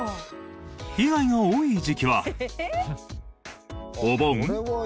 被害が多い時期はお盆？